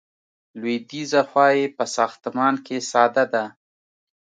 لویدیځه خوا یې په ساختمان کې ساده ده.